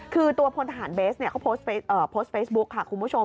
คือตัวพลทหารเบสเนี่ยเขาโพสต์เฟซบุ๊คค่ะคุณผู้ชม